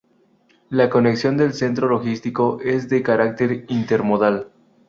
La conexión del centro logístico es de carácter intermodal.